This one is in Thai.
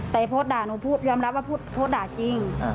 แต่โพสต์ด่าหนูพูดยอมรับว่าโพสต์ด่าจริง